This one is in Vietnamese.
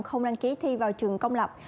không đăng ký thi vào trường công lập